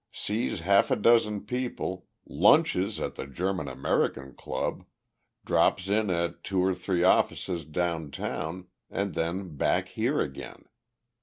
Sees half a dozen people, lunches at the German American Club, drops in at two or three offices downtown, and then back here again.